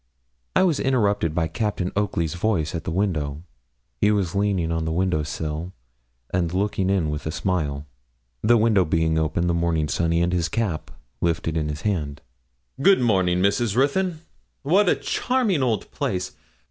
I was interrupted by Captain Oakley's voice at the window. He was leaning on the window sill, and looking in with a smile the window being open, the morning sunny, and his cap lifted in his hand. 'Good morning, Miss Ruthyn. What a charming old place!